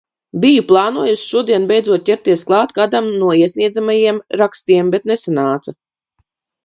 Biju plānojusi šodien beidzot ķerties klāt kādam no iesniedzamajiem rakstiem, bet nesanāca.